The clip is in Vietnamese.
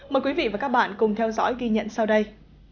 mời quý vị và các bạn cùng theo dõi ghi nhận sau đây